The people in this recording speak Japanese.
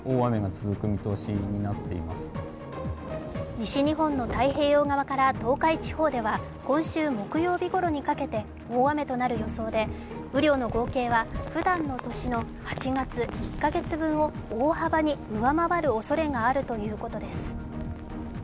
西日本の太平洋側から東海地方では、今週木曜日ごろにかけて大雨となる予想で雨量の合計はふだんの年の８月１か月分を大幅に上回るおそれがあるということです。